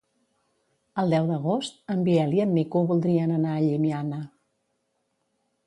El deu d'agost en Biel i en Nico voldrien anar a Llimiana.